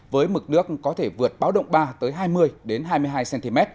với mực nước có thể vượt báo động ba tới hai mươi hai mươi hai cm